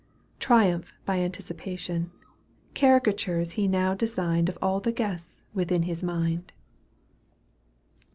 Triumphant by anticipation, Caricatures he now designed Of aU the guests within his mind.